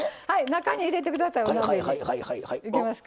中に入れてください。